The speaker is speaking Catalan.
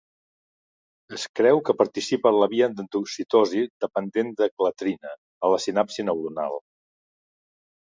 Es creu que participa en la via d'endocitosi dependent de clatrina a la sinapsi neuronal.